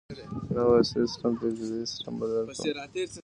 نوي عصري سیسټم ته ابتدايي سیسټم بدل کړو.